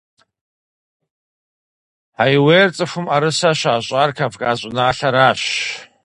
Хьэиуейр цӀыхум Ӏэрысэ щащӀар Кавказ щӀыналъэращ.